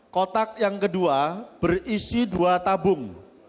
kotak yang kedua berisi dua tabung